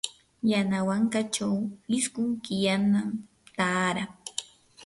yanawankachaw isqun killanam taaraa.